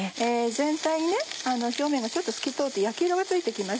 全体に表面がちょっと透き通って焼き色がついて来ます。